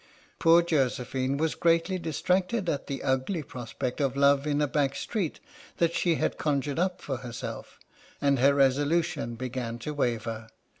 Poor Josephine was greatly distracted at the ugly prospect of love in a back street that she had con 95 H.M.S. "PINAFORE" jured up for herself, and her resolution began to waver.